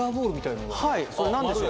それ何でしょう？